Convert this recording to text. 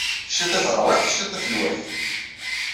Ciṭ i tarwiḥt ciṭ i telwiḥt.